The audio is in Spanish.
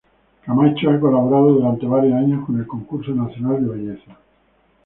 Camacho ha colaborado durante varios años con el Concurso Nacional de Belleza.